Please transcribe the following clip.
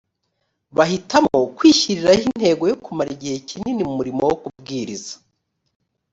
bahitamo kwishyiriraho intego yo kumara igihe kinini mu murimo wo kubwiriza